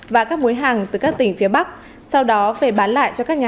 và các mối hàng từ các tỉnh phía bắc sau đó phải bán lại cho các nhà hàng